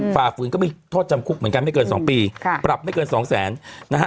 ฝ่าฝืนก็มีโทษจำคุกเหมือนกันไม่เกิน๒ปีปรับไม่เกินสองแสนนะฮะ